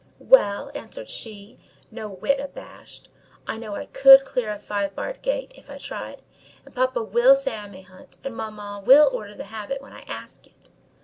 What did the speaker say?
"Well," answered she, no whit abashed, "I know I could clear a five barred gate, if I tried, and papa will say I may hunt, and mamma will order the habit when I ask it."